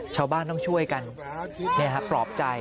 ชาวบ้านต้องช่วยกันปลอบใจ